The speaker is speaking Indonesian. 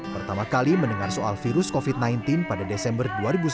pertama kali mendengar soal virus covid sembilan belas pada desember dua ribu sembilan belas